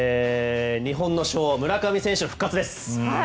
日本の村上選手の復活です。